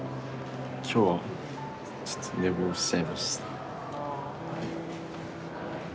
今日はちょっと寝坊しちゃいました。